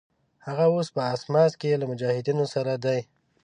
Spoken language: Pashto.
هغه اوس په اسماس کې له مجاهدینو سره دی.